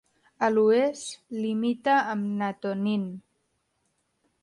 A l'oest, limita amb Natonin.